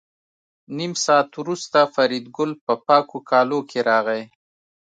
نیم ساعت وروسته فریدګل په پاکو کالو کې راغی